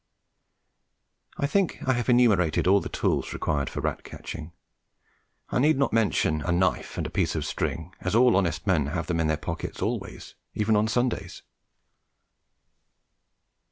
I think I have enumerated all the tools required for rat catching. I need not mention a knife and a piece of string, as all honest men have them in their pocket always, even on Sundays.